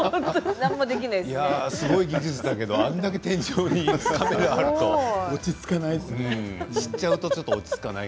すごい技術だけどあれだけカメラがあると、落ち着かない。